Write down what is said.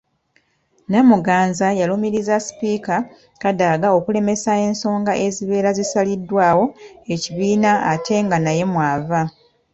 Namuganza yalumirizza Sipiika Kadaga okulemesa ensonga ezibeera zisaliddwawo ekibiina ate nga naye mw'ava.